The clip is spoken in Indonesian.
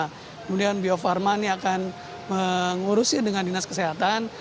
kemudian bio farma ini akan menguruskan